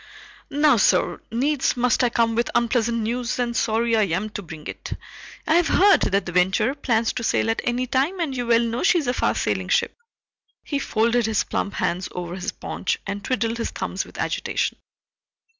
"Now, sir, needs must I come with unpleasant news, and sorry I am to bring it. I have heard that the Venture plans to sail at any time, and you well know she is a fast sailing ship." He folded his plump hands over his paunch and twiddled his thumbs with agitation.